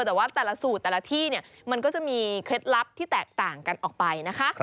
แต่ว่าแต่ละสูตรแต่ละที่เนี่ยมันก็จะมีเคล็ดลับที่แตกต่างกันออกไปนะคะ